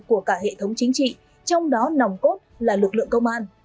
của cả hệ thống chính trị trong đó nòng cốt là lực lượng công an